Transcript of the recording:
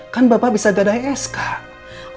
kan bapak bisa dada es kak